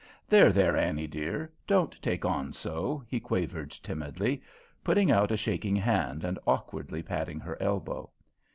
"There, there, Annie, dear, don't take on so," he quavered timidly, putting out a shaking hand and awkwardly patting her elbow.